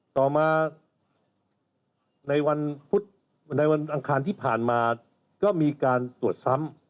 ต่อมาในวันพุธในวันอังคารที่ผ่านมาก็มีการตรวจซ้ำ